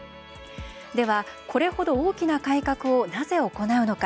では、これほど大きな改革をなぜ行うのか。